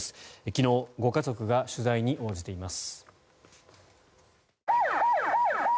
昨日、ご家族が取材に応じています。